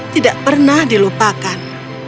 tidak pernah dilupakan